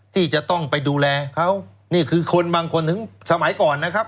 ที่จะต้องไปดูแลเขานี่คือคนบางคนถึงสมัยก่อนนะครับ